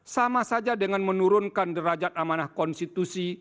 sama saja dengan menurunkan derajat amanah konstitusi